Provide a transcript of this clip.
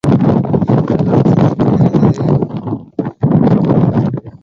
என்றெல்லாம் சிந்திக்க விரைந்தது.